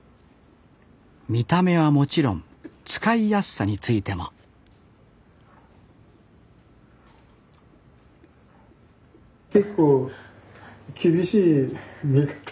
見た目はもちろん使いやすさについても結構厳しい見方する。